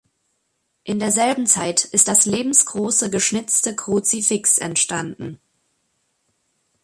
In derselben Zeit ist das lebensgroße geschnitzte Kruzifix entstanden.